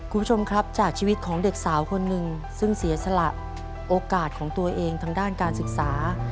คุณผู้ชมครับจากชีวิตของเด็กสาวคนหนึ่งซึ่งเสียสละโอกาสของตัวเองทางด้านการศึกษา